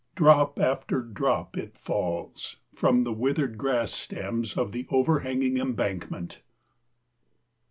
Drop after drop it falls from the withered grass stems of the overhanging embankment.